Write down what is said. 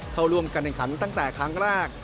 เข้าร่วมการแข่งขันตั้งแต่ครั้งแรก